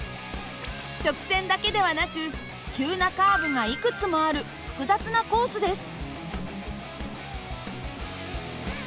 直線だけではなく急なカーブがいくつもある複雑なコースです。